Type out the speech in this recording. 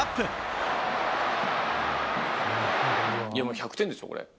いやもう、１００点ですよ、これ。